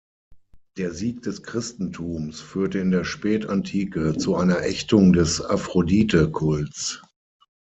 Der Sieg des Christentums führte in der Spätantike zu einer Ächtung des Aphrodite-Kults.